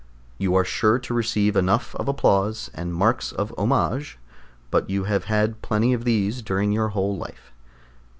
You are sure to receive enough of applause, and marks of homage, but you have had plenty of these during your whole life.